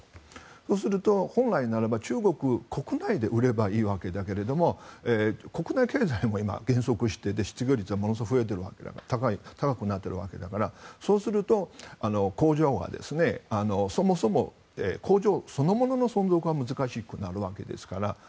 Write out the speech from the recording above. そうすると、本来なら中国国内で売ればいいわけですが国内経済も減速していて失業率が、今高くなっているわけだから。そうするとそもそも工場そのものの存続が難しくなるわけですから。